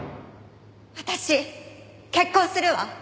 私結婚するわ。